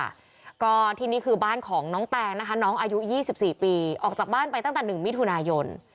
ค่ะก็ที่นี่คือบ้านของน้องแตงนะคะน้องอายุ๒๔ปีออกจากบ้านไปตั้งแต่๑มิถุนายน